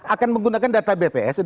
akan menggunakan data bps